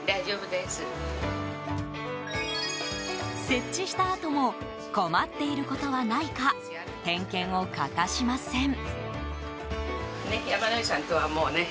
設置したあとも困っていることはないか点検を欠かしません。